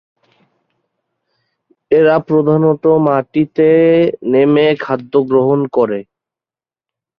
এরা প্রধানত মাটিতে নেমে খাদ্য গ্রহণ করে।